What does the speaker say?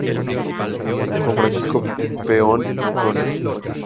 Juan Francisco Peón Ancona.